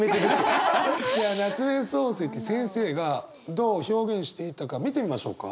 では夏目漱石先生がどう表現していたか見てみましょうか。